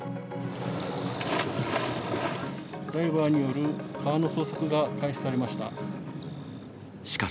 ダイバーによる川の捜索が開始されました。